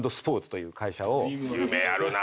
夢あるな！